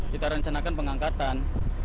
kita rencanakan pengangkatan